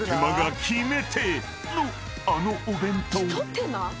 ［あのお弁当］